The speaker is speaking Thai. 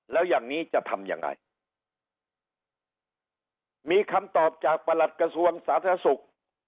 แล้วอย่างนี้จะทำยังไงมีคำตอบจากประหลัดกระทรวงสาธารณสุข